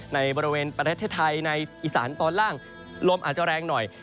ในบริเวณประเทศไทยในอีสานตอนล่างลมอาจจะแรงหน่อย